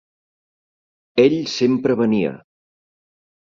Ell sempre venia.